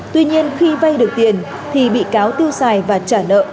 tuy nhiên khi vay được tiền thì bị cáo tiêu xài và trả nợ